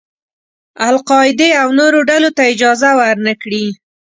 القاعدې او نورو ډلو ته اجازه ور نه کړي.